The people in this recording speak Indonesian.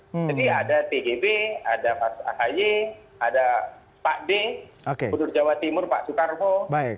jadi ada tgb ada pak akaye ada pak d budur jawa timur pak soekarwo